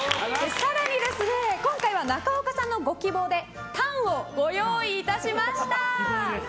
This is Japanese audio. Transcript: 更に、今回は中岡さんのご希望でタンをご用意いたしました。